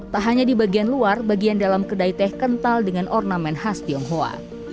tak hanya di bagian luar bagian dalam kedai teh kental dengan ornamen khas tionghoa